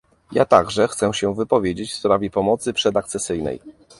Ja także chcę się wypowiedzieć w sprawie pomocy przedakcesyjnej